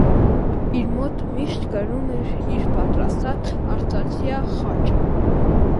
Իր մոտ միշտ կրում էր իր պատրաստած արծաթյա խաչը։